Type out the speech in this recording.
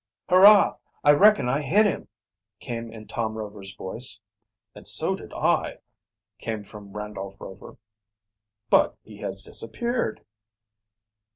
"Hurrah! I reckon I hit him!" came in Tom Rover's voice. "And so did I," came from Randolph Rover. "But he has disappeared."